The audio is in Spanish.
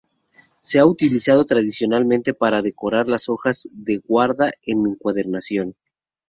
Se ha utilizado tradicionalmente para decorar las hojas de guarda en encuadernación.